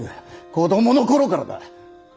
子供の頃からだ。